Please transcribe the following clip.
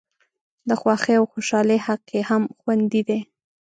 د خوښۍ او خوشالۍ حق یې هم خوندي دی.